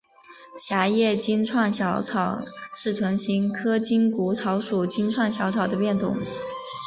狭叶金疮小草是唇形科筋骨草属金疮小草的变种。